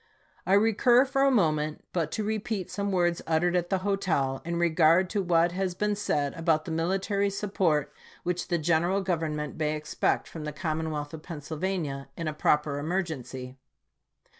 I recur for a moment but to repeat some words uttered at the hotel, in regard to what has been said about the military support which the general Gov ernment may expect from the commonwealth of Pennsyl vania in a proper emergency.